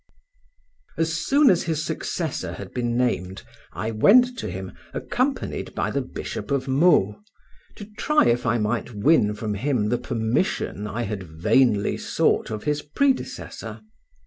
As soon as his successor had been named, I went to him, accompanied by the Bishop of Meaux, to try if I might win from him the permission I had vainly sought of his predecessor.